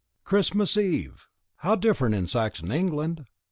Christmas Eve! How different in Saxon England!